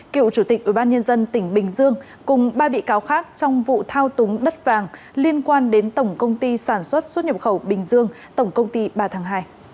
cựu chủ tịch ubnd tỉnh bình dương cùng ba bị cáo khác trong vụ thao túng đất vàng liên quan đến tổng công ty sản xuất xuất nhập khẩu bình dương tổng công ty ba tháng hai